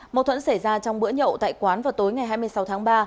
mâu thuẫn xảy ra trong bữa nhậu tại quán vào tối ngày hai mươi sáu tháng ba